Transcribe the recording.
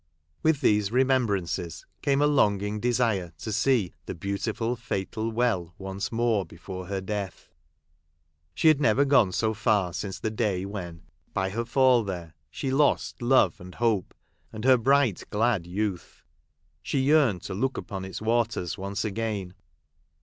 With these remembrances came a longing desire to see the beautiful fatal well, once more before her death. She had never gone so far since the day when, by her fall there, she lost love, and hope, and her bright glad youth. She yearned to look upon its waters once again.